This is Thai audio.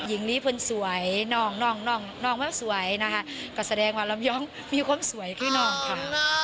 หญิงลีเพื่อนสวยน้องไม่สวยนะคะก็แสดงว่าลำยองมีความสวยพี่น้องค่ะ